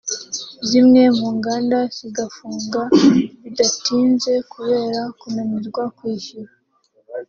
zimwe mu nganda zigafunga bidatinze kubera kunanirwa kwishyura